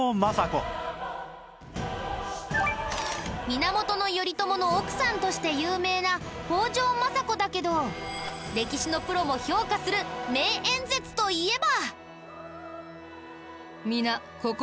源頼朝の奥さんとして有名な北条政子だけど歴史のプロも評価する名演説といえば。